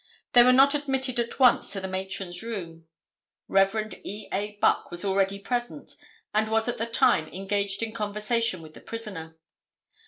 They were not admitted at once to the matron's room. Rev. E. A. Buck was already present and was at the time, engaged in conversation with the prisoner.